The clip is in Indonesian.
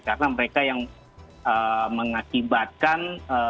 karena mereka yang mengakibatkan